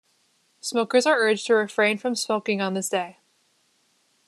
Smokers are urged to refrain from smoking on this day.